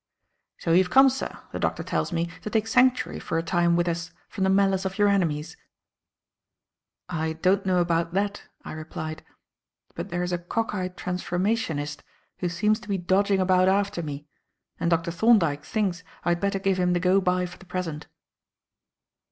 "So you have come, sir, the Doctor tells me, to take sanctuary for a time with us from the malice of your enemies." "I don't know about that," I replied, "but there is a cockeyed transformationist who seems to be dodging about after me, and Dr. Thorndyke thinks I had better give him the go by for the present."